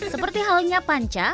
seperti halnya panca